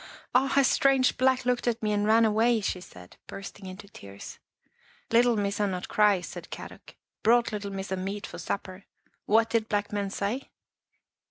" Oh, a strange Black looked at me and ran away! " she said, bursting into tears. " Little Missa not cry," said Kadok. " Brought little Missa meat for supper. What did black man say?